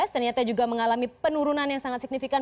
ternyata juga mengalami penurunan yang sangat signifikan